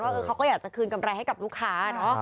ว่าเขาก็อยากจะคืนกำไรให้กับลูกค้า